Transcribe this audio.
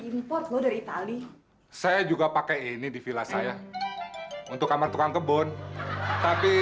import lo dari itali saya juga pakai ini di villa saya untuk kamar tukang kebun tapi